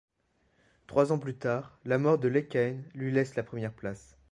Trois ans plus tard, la mort de Lekain lui laisse la première place.